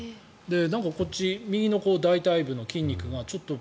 こっち、右の大腿部の筋肉がちょっと